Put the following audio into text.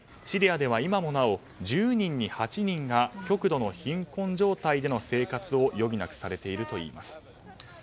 シリアでは今もなお１０人に８人が極度の貧困状態での生活を余儀なくされているといいます。